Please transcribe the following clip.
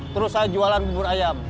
terus saya jualan bubur ayam